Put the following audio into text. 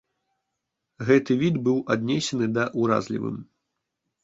Гэты від быў аднесены да уразлівым.